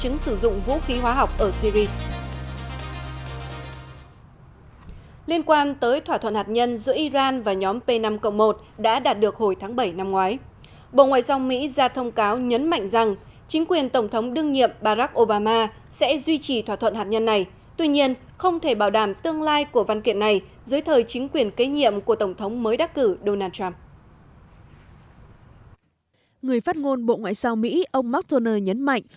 người phát ngôn bộ ngoại giao mỹ ông mcdonough nhấn mạnh